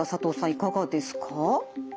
いかがですか？